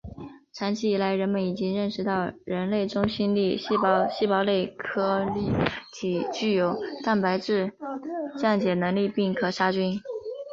长期以来人们已经认识到人类中性粒细胞细胞内颗粒体具有蛋白质降解能力并可杀菌。